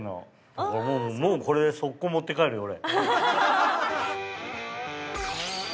だからもうこれ即行持って帰るよ俺。